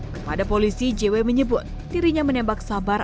kepada polisi jw menyebut dirinya menembak sabar